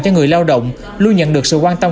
cho người lao động luôn nhận được sự quan tâm